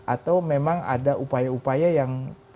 atau memang ada upaya upaya yang